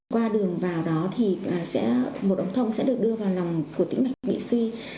qua đường vào đó một ống thông sẽ được đưa vào lòng của tĩnh mạch bị suy